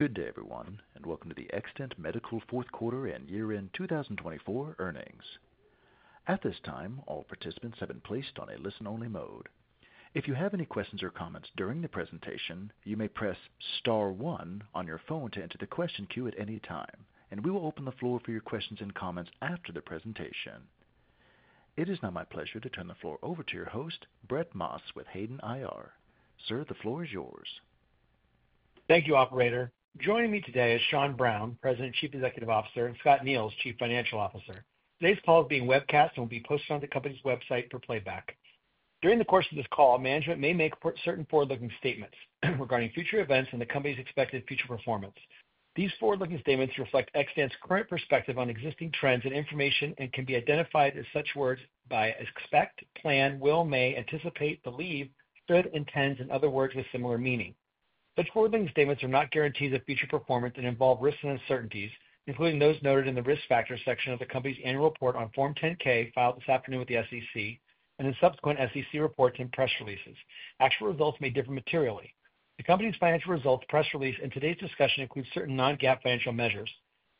Good day, everyone, and welcome to the Xtant Medical Q4 and year end 2024 earnings. At this time, all participants have been placed on a listen-only mode. If you have any questions or comments during the presentation, you may press star one on your phone to enter the question queue at any time, and we will open the floor for your questions and comments after the presentation. It is now my pleasure to turn the floor over to your host, Brett Maas with Hayden IR. Sir, the floor is yours. Thank you, Operator. Joining me today is Sean Browne, President and Chief Executive Officer, and Scott Neils, Chief Financial Officer. Today's call is being webcast and will be posted on the company's website for playback. During the course of this call, management may make certain forward-looking statements regarding future events and the company's expected future performance. These forward-looking statements reflect Xtant's current perspective on existing trends and information and can be identified as such words by expect, plan, will, may, anticipate, believe, stood, intends, and other words with similar meaning. Such forward-looking statements are not guarantees of future performance and involve risks and uncertainties, including those noted in the risk factor section of the company's annual report on Form 10-K filed this afternoon with the SEC and in subsequent SEC reports and press releases. Actual results may differ materially. The company's financial results press release and today's discussion include certain non-GAAP financial measures.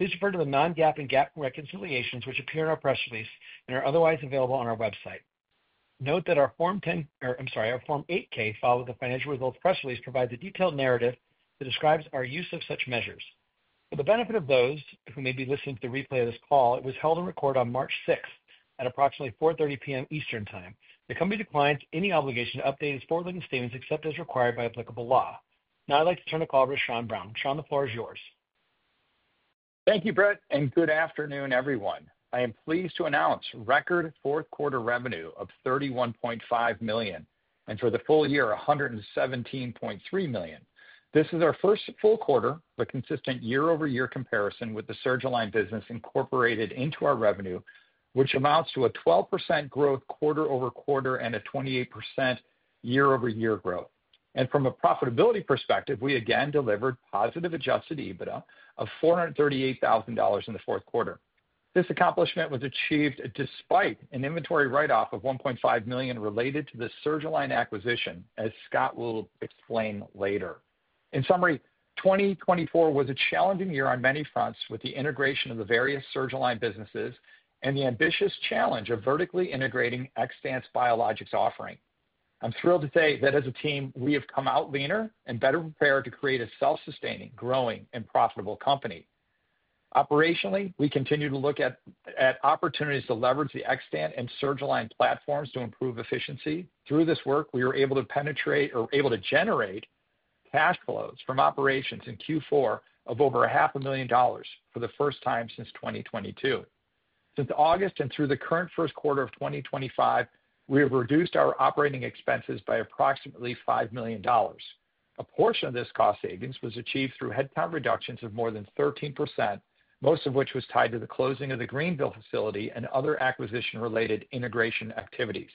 Please refer to the non-GAAP and GAAP reconciliations which appear in our press release and are otherwise available on our website. Note that our Form 8-K filed with the financial results press release provides a detailed narrative that describes our use of such measures. For the benefit of those who may be listening to the replay of this call, it was held and recorded on 6 March 2024 at approximately 4:30 P.M. Eastern Time. The company declines any obligation to update its forward-looking statements except as required by applicable law. Now, I'd like to turn the call over to Sean Browne. Sean, the floor is yours. Thank you, Brett, and good afternoon, everyone. I am pleased to announce record Q4 revenue of $31.5 million and for the full year, $117.3 million. This is our first full quarter, a consistent year-over-year comparison with the Surgalign business incorporated into our revenue, which amounts to a 12% growth quarter-over-quarter and a 28% year-over-year growth. From a profitability perspective, we again delivered positive adjusted EBITDA of $438,000 in the Q4. This accomplishment was achieved despite an inventory write-off of $1.5 million related to the Surgalign acquisition, as Scott will explain later. In summary, 2024 was a challenging year on many fronts with the integration of the various Surgalign businesses and the ambitious challenge of vertically integrating Xtant's biologics offering. I'm thrilled to say that as a team, we have come out leaner and better prepared to create a self-sustaining, growing, and profitable company. Operationally, we continue to look at opportunities to leverage the Xtant and Surgalign platforms to improve efficiency. Through this work, we were able to generate cash flows from operations in Q4 of over $500,000 for the first time since 2022. Since August and through the current Q1 of 2025, we have reduced our operating expenses by approximately $5 million. A portion of this cost savings was achieved through headcount reductions of more than 13%, most of which was tied to the closing of the Greenville facility and other acquisition-related integration activities.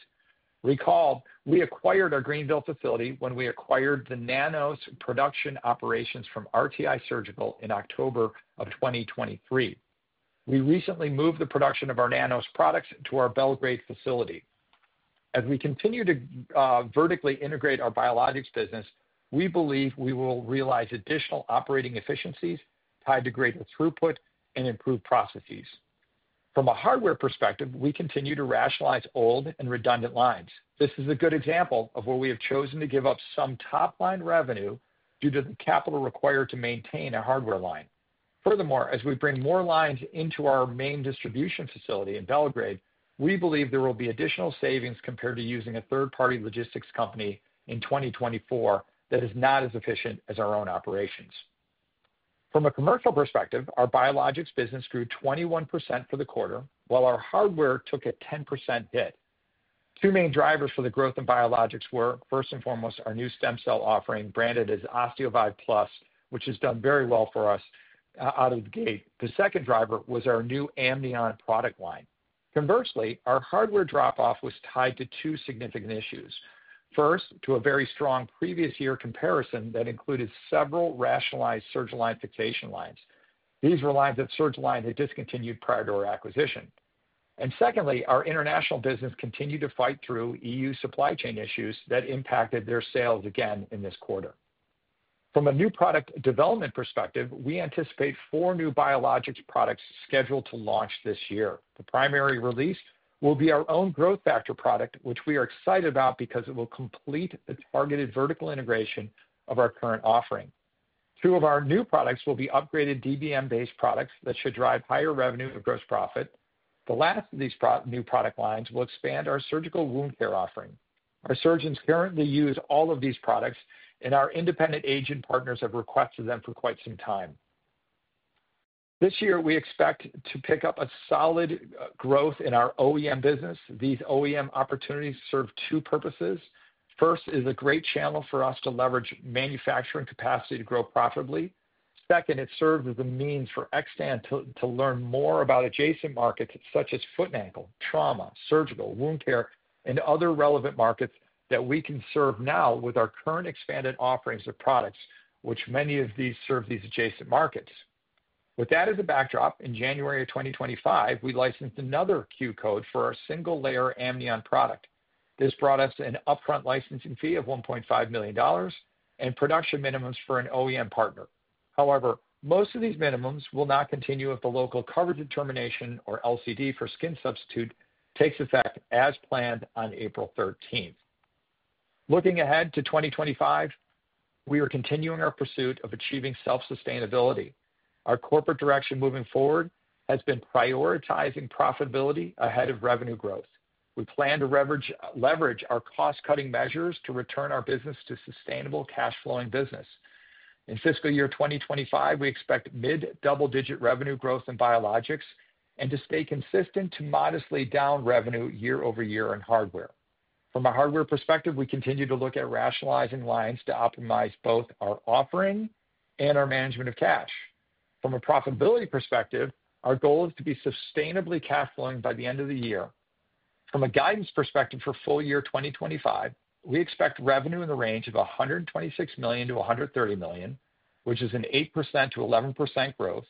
Recall, we acquired our Greenville facility when we acquired the nanOss production operations from RTI Surgical in October 2023. We recently moved the production of our nanOss products to our Belgrade facility. As we continue to vertically integrate our biologics business, we believe we will realize additional operating efficiencies tied to greater throughput and improved processes. From a hardware perspective, we continue to rationalize old and redundant lines. This is a good example of where we have chosen to give up some top-line revenue due to the capital required to maintain a hardware line. Furthermore, as we bring more lines into our main distribution facility in Belgrade, we believe there will be additional savings compared to using a third-party logistics company in 2024 that is not as efficient as our own operations. From a commercial perspective, our biologics business grew 21% for the quarter, while our hardware took a 10% hit. Two main drivers for the growth in biologics were, first and foremost, our new stem cell offering branded as OsteoVive Plus, which has done very well for us out of the gate. The second driver was our new Amnion product line. Conversely, our hardware drop-off was tied to two significant issues. First, to a very strong previous-year comparison that included several rationalized Surgalign fixation lines. These were lines that Surgalign had discontinued prior to our acquisition. Secondly, our international business continued to fight through E.U. supply chain issues that impacted their sales again in this quarter. From a new product development perspective, we anticipate four new biologics products scheduled to launch this year. The primary release will be our own growth factor product, which we are excited about because it will complete the targeted vertical integration of our current offering. Two of our new products will be upgraded DBM-based products that should drive higher revenue and gross profit. The last of these new product lines will expand our surgical wound care offering. Our surgeons currently use all of these products, and our independent agent partners have requested them for quite some time. This year, we expect to pick up a solid growth in our OEM business. These OEM opportunities serve two purposes. First, it is a great channel for us to leverage manufacturing capacity to grow profitably. Second, it serves as a means for Xtant to learn more about adjacent markets such as foot and ankle, trauma, surgical, wound care, and other relevant markets that we can serve now with our current expanded offerings of products, which many of these serve these adjacent markets. With that as a backdrop, in January 2025, we licensed another Q code for our single-layer Amnion product. This brought us an upfront licensing fee of $1.5 million and production minimums for an OEM partner. However, most of these minimums will not continue if the local coverage determination, or LCD for skin substitute, takes effect as planned on 13 April 2025. Looking ahead to 2025, we are continuing our pursuit of achieving self-sustainability. Our corporate direction moving forward has been prioritizing profitability ahead of revenue growth. We plan to leverage our cost-cutting measures to return our business to sustainable cash-flowing business. In fiscal year 2025, we expect mid-double-digit revenue growth in biologics and to stay consistent to modestly down revenue year-over-year in hardware. From a hardware perspective, we continue to look at rationalizing lines to optimize both our offering and our management of cash. From a profitability perspective, our goal is to be sustainably cash-flowing by the end of the year. From a guidance perspective for full year 2025, we expect revenue in the range of $126 million to 130 million, which is an 8% to 11% growth,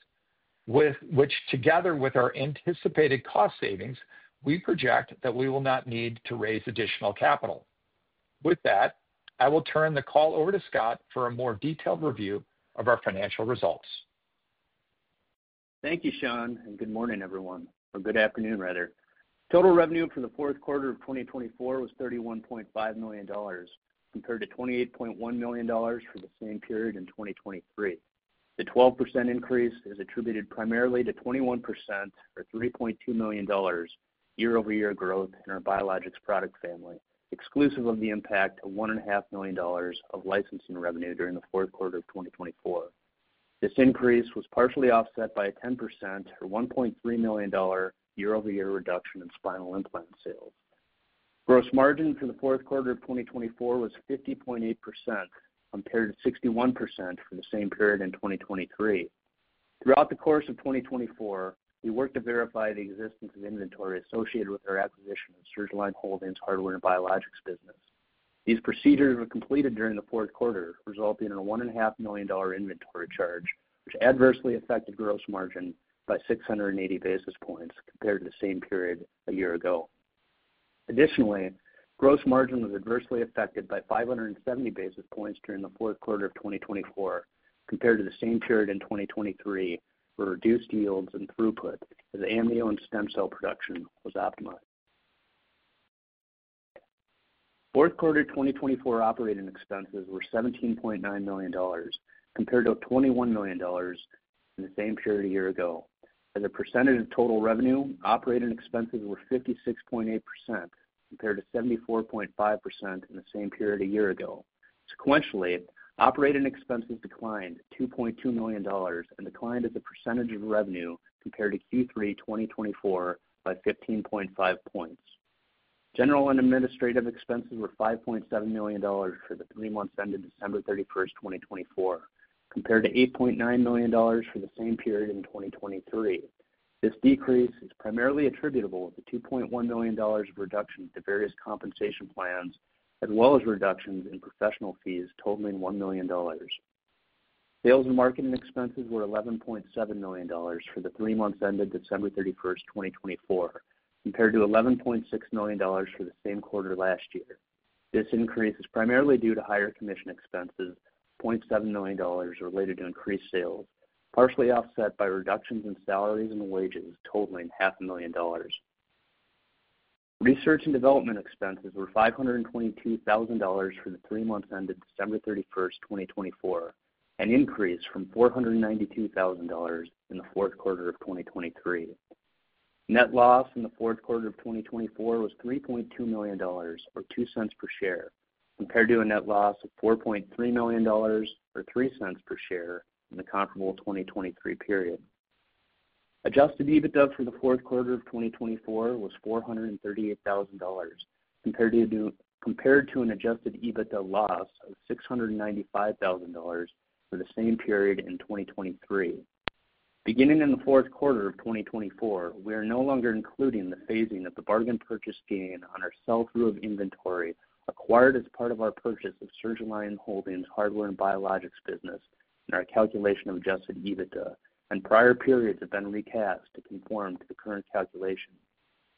which together with our anticipated cost savings, we project that we will not need to raise additional capital. With that, I will turn the call over to Scott for a more detailed review of our financial results. Thank you, Sean, and good morning, everyone, or good afternoon, rather. Total revenue for the Q4 of 2024 was $31.5 million compared to $28.1 million for the same period in 2023. The 12% increase is attributed primarily to 21% or $3.2 million year-over-year growth in our biologics product family, exclusive of the impact of $1.5 million of licensing revenue during the Q4 of 2024. This increase was partially offset by a 10% or $1.3 million year-over-year reduction in spinal implant sales. Gross margin for the Q4 of 2024 was 50.8% compared to 61% for the same period in 2023. Throughout the course of 2024, we worked to verify the existence of inventory associated with our acquisition of Surgalign Holdings' hardware and biologics business. These procedures were completed during the Q4, resulting in a $1.5 million inventory charge, which adversely affected gross margin by 680 basis points compared to the same period a year ago. Additionally, gross margin was adversely affected by 570 basis points during the Q4 of 2024 compared to the same period in 2023 for reduced yields and throughput as Amnion stem cell production was optimized. Q4 2024 operating expenses were $17.9 million compared to $21 million in the same period a year ago. As a percentage of total revenue, operating expenses were 56.8% compared to 74.5% in the same period a year ago. Sequentially, operating expenses declined $2.2 million and declined as a percentage of revenue compared to Q3 2024 by 15.5 points. General and administrative expenses were $5.7 million for the three months ended 31 December 2024, compared to $8.9 million for the same period in 2023. This decrease is primarily attributable to the $2.1 million reduction to various compensation plans, as well as reductions in professional fees totaling $1 million. Sales and marketing expenses were $11.7 million for the three months ended 31 December 2024, compared to $11.6 million for the same quarter last year. This increase is primarily due to higher commission expenses, $0.7 million related to increased sales, partially offset by reductions in salaries and wages totaling $500,000. Research and development expenses were $522,000 for the three months ended 31 December 2024, an increase from $492,000 in the Q4 of 2023. Net loss in the Q4 of 2024 was $3.2 million or $0.02 per share, compared to a net loss of $4.3 million, or $0.03 per share in the comparable 2023 period. Adjusted EBITDA for the Q4 of 2024 was $438,000, compared to an adjusted EBITDA loss of $695,000 for the same period in 2023. Beginning in the Q4 of 2024, we are no longer including the phasing of the bargain purchase gain on our sell-through of inventory acquired as part of our purchase of Surgalign Holdings' Hardware and Biologics Business in our calculation of adjusted EBITDA, and prior periods have been recast to conform to the current calculation.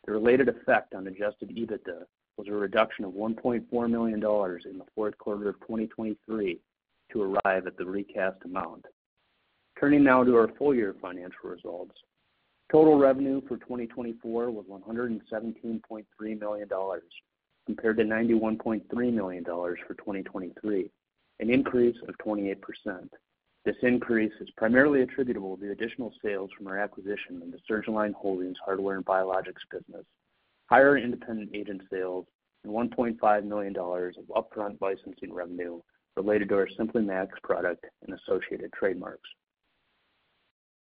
The related effect on adjusted EBITDA was a reduction of $1.4 million in the Q4 of 2023 to arrive at the recast amount. Turning now to our full year financial results, total revenue for 2024 was $117.3 million compared to $91.3 million for 2023, an increase of 28%. This increase is primarily attributable to additional sales from our acquisition of the Surgalign Holdings' Hardware and Biologics Business, higher independent agent sales, and $1.5 million of upfront licensing revenue related to our SimpliMax product and associated trademarks.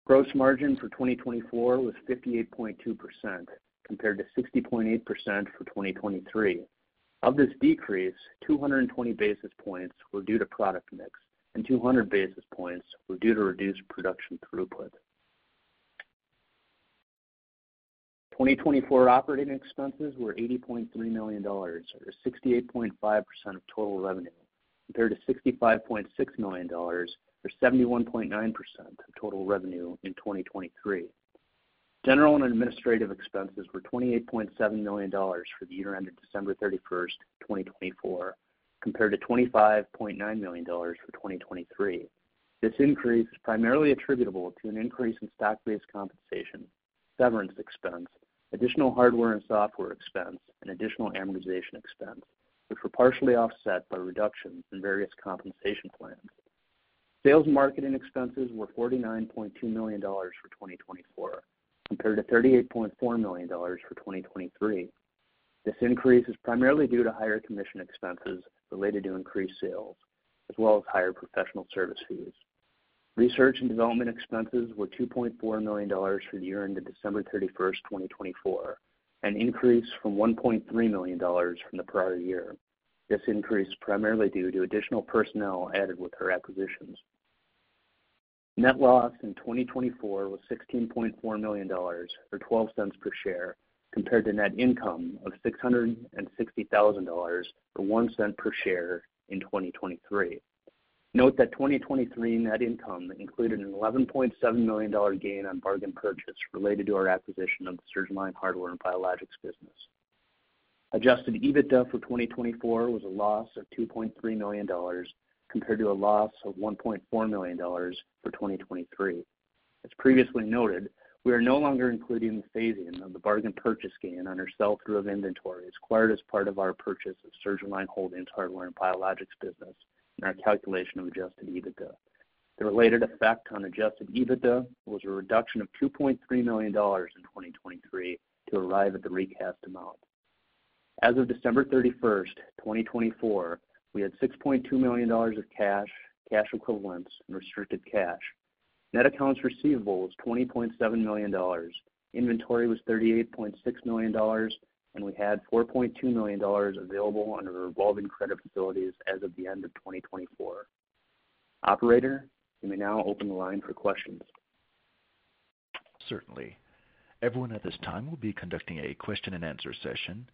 Gross margin for 2024 was 58.2% compared to 60.8% for 2023. Of this decrease, 220 basis points were due to product mix, and 200 basis points were due to reduced production throughput. 2024 operating expenses were $80.3 million, or 68.5% of total revenue, compared to $65.6 million, or 71.9% of total revenue in 2023. General and administrative expenses were $28.7 million for the year ended 31 December 2024, compared to $25.9 million for 2023. This increase is primarily attributable to an increase in stock-based compensation, severance expense, additional hardware and software expense, and additional amortization expense, which were partially offset by reductions in various compensation plans. Sales and marketing expenses were $49.2 million for 2024, compared to $38.4 million for 2023. This increase is primarily due to higher commission expenses related to increased sales, as well as higher professional service fees. Research and development expenses were $2.4 million for the year ended 31 December 2024, an increase from $1.3 million from the prior year. This increase is primarily due to additional personnel added with our acquisitions. Net loss in 2024 was $16.4 million, or $0.12 per share, compared to net income of $660,000 or $0.01 per share in 2023. Note that 2023 net income included an $11.7 million gain on bargain purchase related to our acquisition of the Surgalign Hardware and Biologics Business. Adjusted EBITDA for 2024 was a loss of $2.3 million compared to a loss of $1.4 million for 2023. As previously noted, we are no longer including the phasing of the bargain purchase gain on our sell-through of inventory acquired as part of our purchase of Surgalign Holdings' Hardware and Biologics Business in our calculation of adjusted EBITDA. The related effect on adjusted EBITDA was a reduction of $2.3 million in 2023 to arrive at the recast amount. As of 31 December 2024, we had $6.2 million of cash, cash equivalents, and restricted cash. Net accounts receivable was $20.7 million, inventory was $38.6 million, and we had $4.2 million available under revolving credit facilities as of the end of 2024. Operator, you may now open the line for questions. Certainly. Everyone at this time will be conducting a question-and-answer session.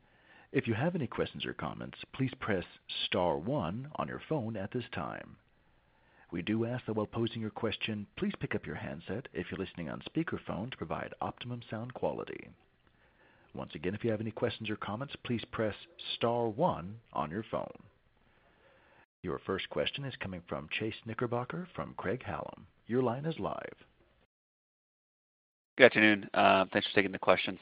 If you have any questions or comments, please press star one on your phone at this time. We do ask that while posing your question, please pick up your handset if you're listening on speakerphone to provide optimum sound quality. Once again, if you have any questions or comments, please press star one on your phone. Your first question is coming from Chase Knickerbocker from Craig-Hallum. Your line is live. Good afternoon. Thanks for taking the questions.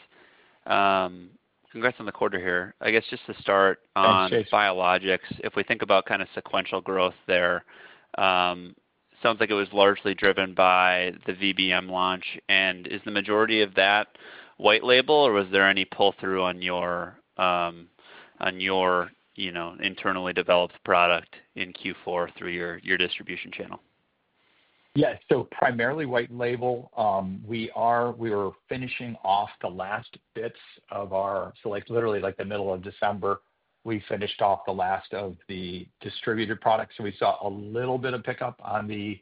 Congrats on the quarter here. I guess just to start on— Thanks, Chase. Biologics, if we think about kind of sequential growth there, it sounds like it was largely driven by the VBM launch. Is the majority of that white label, or was there any pull-through on your internally developed product in Q4 through your distribution channel? Yes. Primarily white label. We were finishing off the last bits of our, so literally like the middle of December, we finished off the last of the distributed products. We saw a little bit of pickup on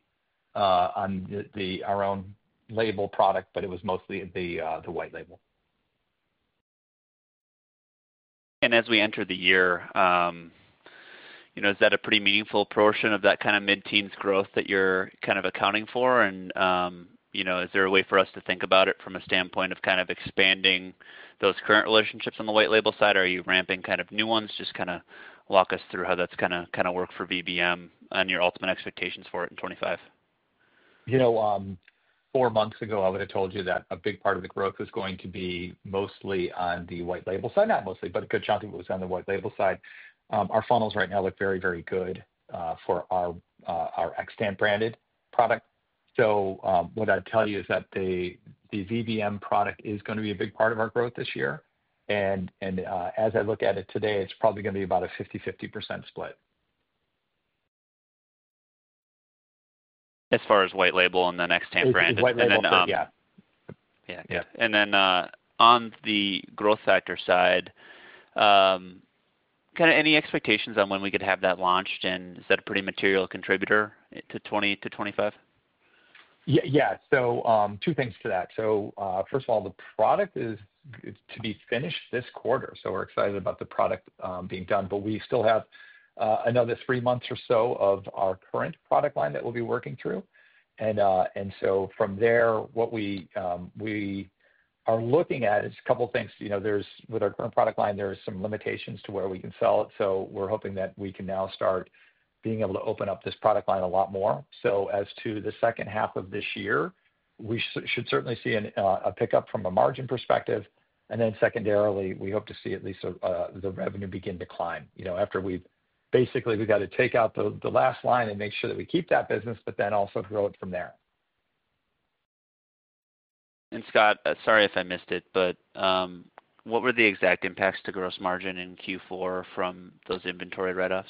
our own label product, but it was mostly the white label. As we enter the year, is that a pretty meaningful portion of that kind of mid-teens growth that you're kind of accounting for? Is there a way for us to think about it from a standpoint of kind of expanding those current relationships on the white label side, or are you ramping kind of new ones? Just kind of walk us through how that's kind of worked for VBM and your ultimate expectations for it in 2025. Four months ago, I would have told you that a big part of the growth was going to be mostly on the white label side. Not mostly, but a good chunk of it was on the white label side. Our funnels right now look very, very good for our Xtant branded product. What I'd tell you is that the VBM product is going to be a big part of our growth this year. As I look at it today, it's probably going to be about a 50/50% split. As far as white label and the next Xtant branded. It's white label product, yeah. Yeah. Yeah. And then on the growth factor side, kind of any expectations on when we could have that launched? Is that a pretty material contributor to 2024 to 2025? Yeah. Two things to that. First of all, the product is to be finished this quarter. We're excited about the product being done. We still have another three months or so of our current product line that we'll be working through. From there, what we are looking at is a couple of things. With our current product line, there are some limitations to where we can sell it. We're hoping that we can now start being able to open up this product line a lot more. As to the second half of this year, we should certainly see a pickup from a margin perspective. Secondarily, we hope to see at least the revenue begin to climb after we have basically got to take out the last line and make sure that we keep that business, but then also grow it from there. Scott, sorry if I missed it, but what were the exact impacts to gross margin in Q4 from those inventory write-offs?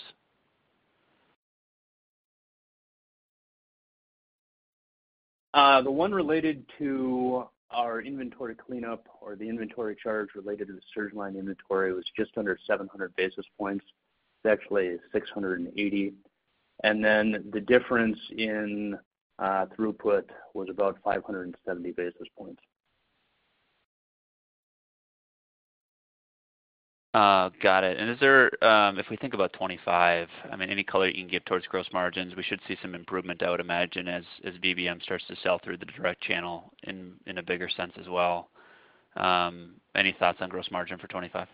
The one related to our inventory cleanup or the inventory charge related to the Surgalign inventory was just under 700 basis points. It's actually 680 basis points. And then the difference in throughput was about 570 basis points. Got it. If we think about 2025, I mean, any color you can give towards gross margins, we should see some improvement, I would imagine, as VBM starts to sell through the direct channel in a bigger sense as well. Any thoughts on gross margin for 2025?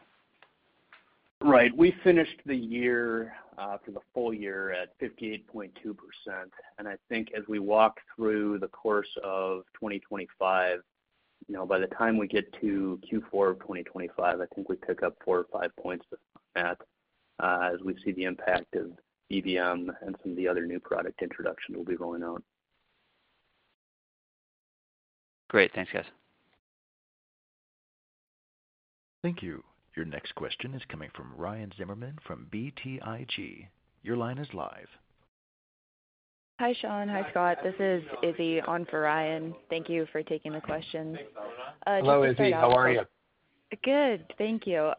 Right. We finished the year for the full year at 58.2%. I think as we walk through the course of 2025, by the time we get to Q4 of 2025, I think we pick up four or five points to that as we see the impact of VBM and some of the other new product introductions we'll be rolling out. Great. Thanks, guys. Thank you. Your next question is coming from Ryan Zimmerman from BTIG. Your line is live. Hi, Sean. Hi, Scott. This is Izzy on for Ryan. Thank you for taking the questions. Hello, Izzy. How are you? Good. Thank you.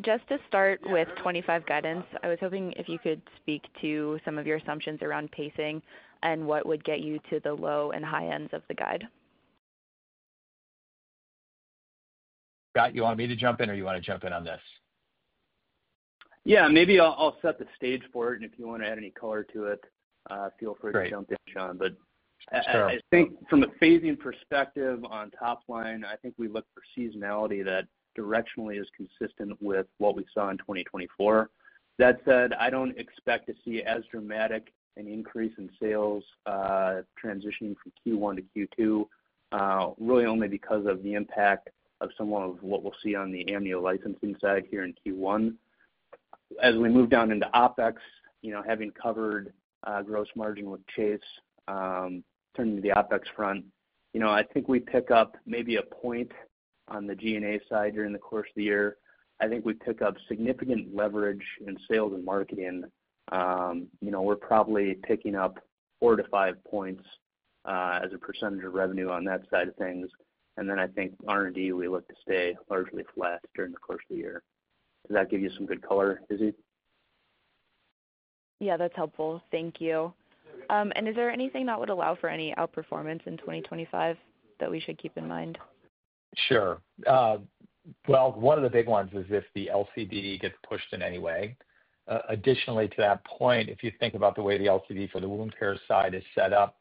Just to start with 2025 guidance, I was hoping if you could speak to some of your assumptions around pacing and what would get you to the low and high ends of the guide. Scott, you want me to jump in, or you want to jump in on this? Yeah. Maybe I'll set the stage for it. If you want to add any color to it, feel free to jump in, Sean. Sure. I think from a phasing perspective on top line, I think we look for seasonality that directionally is consistent with what we saw in 2024. That said, I do not expect to see as dramatic an increase in sales transitioning from Q1 to Q2, really only because of the impact of some of what we will see on the annual licensing side here in Q1. As we move down into OPEX, having covered gross margin with Chase, turning to the OPEX front, I think we pick up maybe a point on the G&A side during the course of the year. I think we pick up significant leverage in sales and marketing. We are probably picking up four to five points as a percentage of revenue on that side of things. I think R&D, we look to stay largely flat during the course of the year. Does that give you some good color, Izzy? Yeah, that's helpful. Thank you. Is there anything that would allow for any outperformance in 2025 that we should keep in mind? Sure. One of the big ones is if the LCD gets pushed in any way. Additionally to that point, if you think about the way the LCD for the wound care side is set up,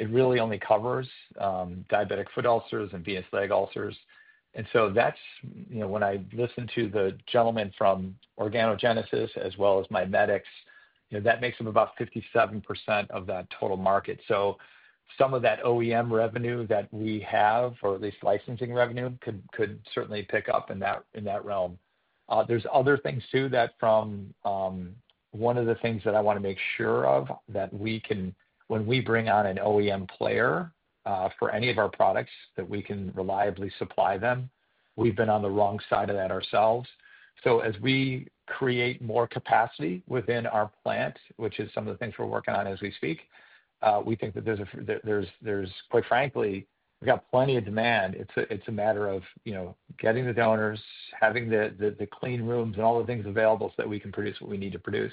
it really only covers diabetic foot ulcers and venous leg ulcers. When I listen to the gentleman from Organogenesis as well as MIMEDX, that makes up about 57% of that total market. Some of that OEM revenue that we have, or at least licensing revenue, could certainly pick up in that realm. There are other things too that from one of the things that I want to make sure of that when we bring on an OEM player for any of our products that we can reliably supply them, we have been on the wrong side of that ourselves. As we create more capacity within our plant, which is some of the things we're working on as we speak, we think that there's, quite frankly, we've got plenty of demand. It's a matter of getting the donors, having the clean rooms, and all the things available so that we can produce what we need to produce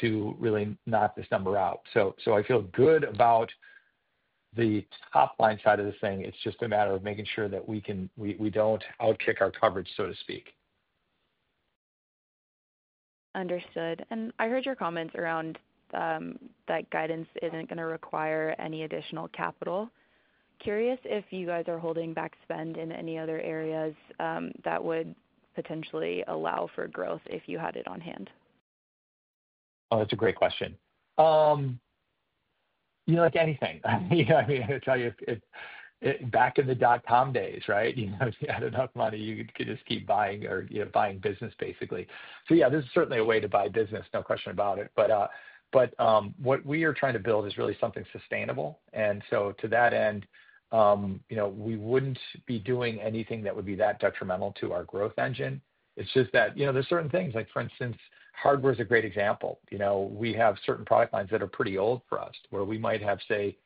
to really knock this number out. I feel good about the top line side of this thing. It's just a matter of making sure that we don't outkick our coverage, so to speak. Understood. I heard your comments around that guidance is not going to require any additional capital. Curious if you guys are holding back spend in any other areas that would potentially allow for growth if you had it on hand. Oh, that's a great question. Like anything. I mean, I'll tell you, back in the dot-com days, right? You had enough money, you could just keep buying or buying business, basically. Yeah, this is certainly a way to buy business, no question about it. What we are trying to build is really something sustainable. To that end, we wouldn't be doing anything that would be that detrimental to our growth engine. It's just that there's certain things, like for instance, hardware is a great example. We have certain product lines that are pretty old for us, where we might have, say,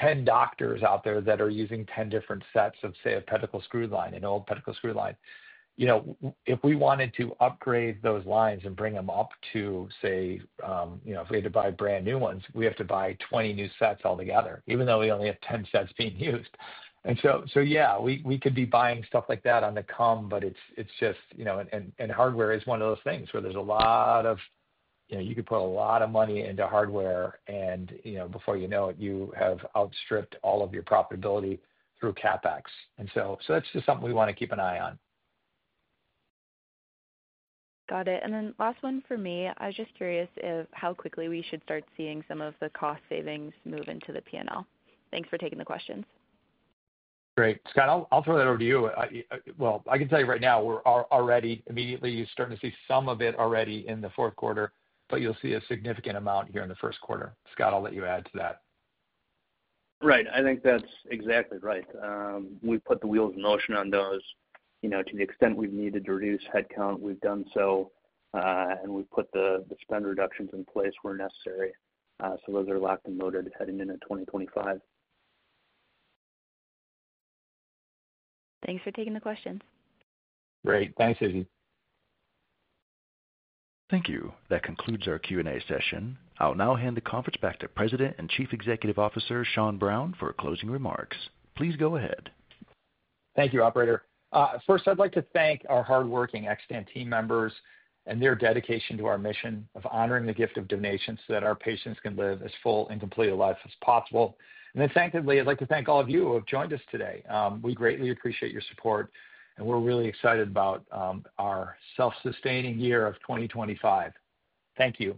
10 doctors out there that are using 10 different sets of, say, a pedicle screw line, an old pedicle screw line. If we wanted to upgrade those lines and bring them up to, say, if we had to buy brand new ones, we have to buy 20 new sets altogether, even though we only have 10 sets being used. Yeah, we could be buying stuff like that on the come, but it's just, and hardware is one of those things where you could put a lot of money into hardware, and before you know it, you have outstripped all of your profitability through CAPEX. That's just something we want to keep an eye on. Got it. Last one for me, I was just curious how quickly we should start seeing some of the cost savings move into the P&L. Thanks for taking the questions. Great. Scott, I'll throw that over to you. I can tell you right now, we're already immediately starting to see some of it already in the Q4, but you'll see a significant amount here in the Q1. Scott, I'll let you add to that. Right. I think that's exactly right. We've put the wheels in motion on those. To the extent we've needed to reduce headcount, we've done so. We've put the spend reductions in place where necessary. Those are locked and loaded heading into 2025. Thanks for taking the questions. Great. Thanks, Izzy. Thank you. That concludes our Q&A session. I'll now hand the conference back to President and Chief Executive Officer Sean Browne for closing remarks. Please go ahead. Thank you, Operator. First, I'd like to thank our hardworking Xtant team members and their dedication to our mission of honoring the gift of donations so that our patients can live as full and complete a life as possible. Secondly, I'd like to thank all of you who have joined us today. We greatly appreciate your support, and we're really excited about our self-sustaining year of 2025. Thank you.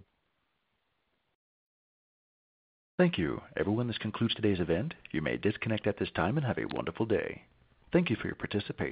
Thank you. Everyone, this concludes today's event. You may disconnect at this time and have a wonderful day. Thank you for your participation.